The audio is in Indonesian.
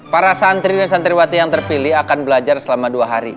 para santri dan santriwati yang terpilih akan belajar selama dua hari